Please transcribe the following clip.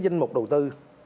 danh mục đầu tư